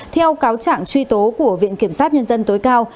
theo cáo trạng truy tố của viện kiểm sát nhân dân tối cao